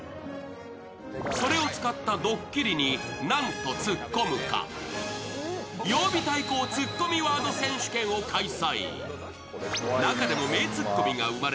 それを使ったドッキリになんと突っ込むか曜日対抗ツッコミワード選手権を開催。